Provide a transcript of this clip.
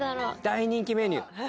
大人気メニュー。